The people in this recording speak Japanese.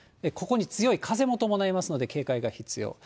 ここに強い風も伴いますので、警戒が必要。